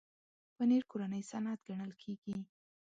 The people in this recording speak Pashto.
پنېر کورنی صنعت ګڼل کېږي.